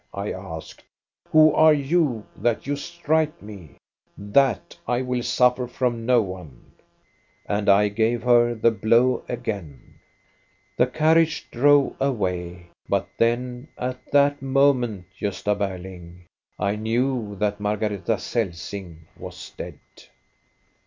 I asked ;* who are you that you strike me ? That I will suffer from no one/ " And I gave her the blow again. *' The carriage drove away, but then, at that moment, Gosta Berling, I knew that Margareta Celsing was dead.